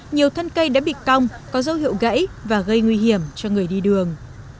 nhiều thân cây đã bị cong có dấu hiệu gãy và gây nguy hiểm cho người đi đường